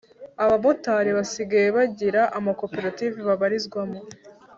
abamotari basigaye bagira ama koperative babarizwamo